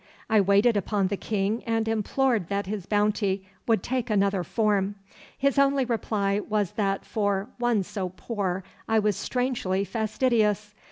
I waited upon the King and implored that his bounty would take another form. His only reply was that for one so poor I was strangely fastidious.